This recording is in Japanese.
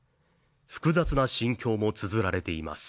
複雑な心境もつづられています。